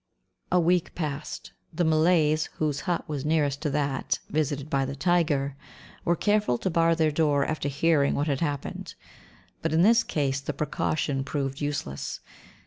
A week passed. The Malays, whose hut was nearest to that visited by the tiger, were careful to bar their door after hearing what had happened; but in this case the precaution proved useless.